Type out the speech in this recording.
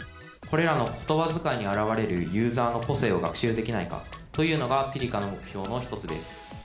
これらの言葉遣いに現れるユーザーの個性を学習できないかというのが「−ｐｉｒｋａ−」の目標の一つです。